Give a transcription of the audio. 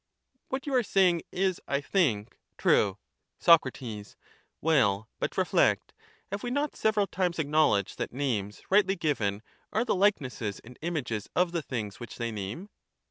What you are saying is, I think, true. 439 Sac. Well, but reflect ; have we not several times acknow ledged that names rightly given are the likenesses and images of the things which they name?